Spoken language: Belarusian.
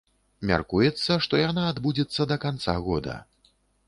Мяркуецца, што яна адбудзецца да канца года.